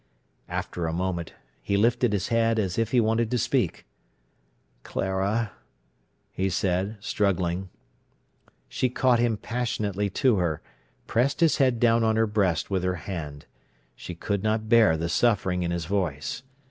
After a moment he lifted his head as if he wanted to speak. "Clara," he said, struggling. She caught him passionately to her, pressed his head down on her breast with her hand. She could not bear the suffering in his voice.